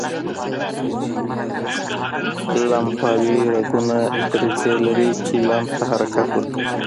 لمفاوي رګونه دریڅې لري چې لمف ته حرکت ورکوي.